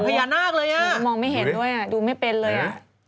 เหมือนพยานากเลยนายก็มองไม่เห็นด้วยครับดูไม่เป็นเลย